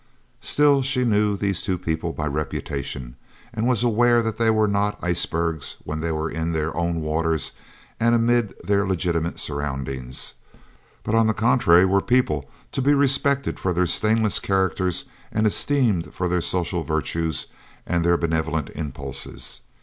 Still, she knew these two people by reputation, and was aware that they were not ice bergs when they were in their own waters and amid their legitimate surroundings, but on the contrary were people to be respected for their stainless characters and esteemed for their social virtues and their benevolent impulses.